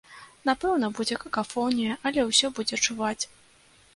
Напэўна, будзе какафонія, але ўсё будзе чуваць.